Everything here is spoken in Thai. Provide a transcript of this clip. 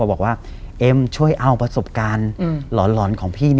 บอกว่าเอ็มช่วยเอาประสบการณ์หลอนของพี่